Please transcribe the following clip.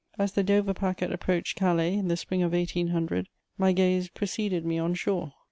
As the Dover packet approached Calais, in the spring of 1800, my gaze preceded me on shore.